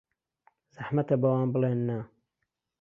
زەحمەتە بەوان بڵێین نا.